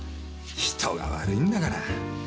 人が悪いんだから。